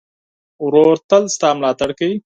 ورور تل ستا ملاتړ کوي.